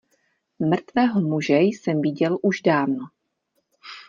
Mrtvého muže jsem viděl už dávno.